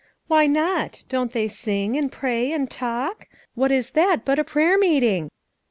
"Why not! Don't they sing, and pray and talk? What is that but a prayer meeting?"